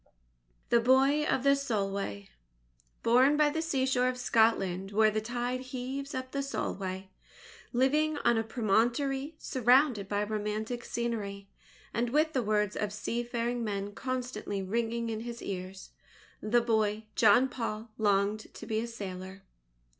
THE BOY OF THE SOLWAY Born by the seashore of Scotland where the tide heaves up the Solway, living on a promontory surrounded by romantic scenery, and with the words of seafaring men constantly ringing in his ears, the boy, John Paul, longed to be a sailor.